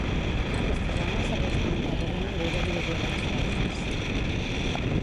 Aquesta zona serveix com a terra de ningú de divisió de les forces.